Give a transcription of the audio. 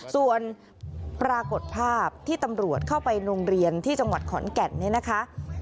ส่วนปรากฏภาพที่ตำรวจเข้าไปโรงเรียนที่จังหวัดขอนแก่นเนี่ยนะคะ